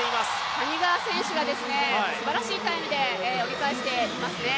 谷川選手がすばらしいタイムで折り返していますね。